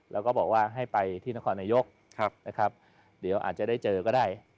เราก็บอกว่าให้ไปที่นครนายกเดี๋ยวอาจจะได้เจอก็ได้